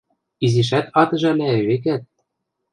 Изишӓт ат ӹжӓлӓйӹ, векӓт?